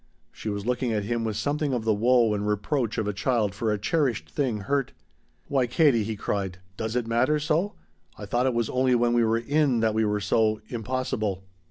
She was looking at him with something of the woe and reproach of a child for a cherished thing hurt. "Why, Katie," he cried, "does it matter so? I thought it was only when we were in that we were so impossible."